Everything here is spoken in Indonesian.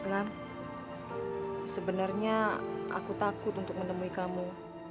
bilang sebenarnya aku takut untuk menemui kamu